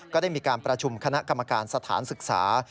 ก็ได้มีการประชุมคณะกรรมการสถานศึกษา